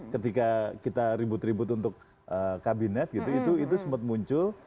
ketika kita ribut ribut untuk kabinet gitu itu sempat muncul